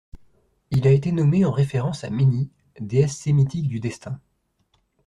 Il a été nommé en référence à Méni, déesse sémitique du destin.